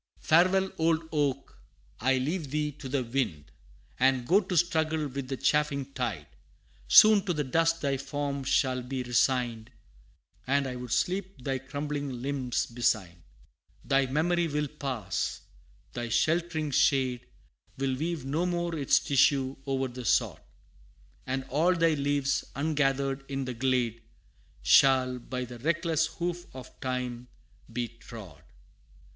Farewell, old oak! I leave thee to the wind, And go to struggle with the chafing tide Soon to the dust thy form shall be resigned, And I would sleep thy crumbling limbs beside. Thy memory will pass; thy sheltering shade, Will weave no more its tissue o'er the sod; And all thy leaves, ungathered in the glade, Shall, by the reckless hoof of time, be trod.